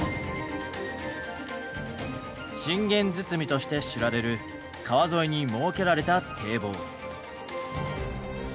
信玄堤として知られる川沿いに設けられた堤防。